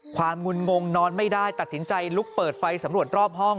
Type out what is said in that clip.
งุนงงนอนไม่ได้ตัดสินใจลุกเปิดไฟสำรวจรอบห้อง